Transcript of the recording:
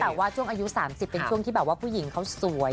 แต่ว่าช่วงอายุ๓๐เป็นช่วงที่สวย๗๐